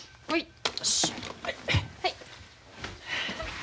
はい。